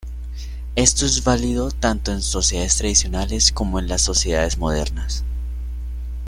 Esto es válido tanto en sociedades tradicionales, como en las sociedades modernas.